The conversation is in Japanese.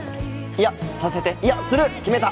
いやさせていやする決めた！